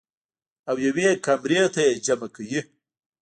او يوې کمرې ته ئې جمع کوي -